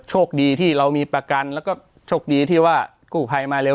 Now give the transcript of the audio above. โชคดีที่เรามีประกันแล้วก็โชคดีที่ว่ากู้ภัยมาเร็ว